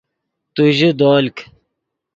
تو ژے دولک